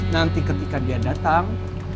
nanti ketika dia datang